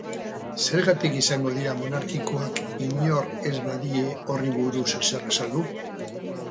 Zergatik izango dira monarkikoak inork ez badie horri buruz ezer azaldu?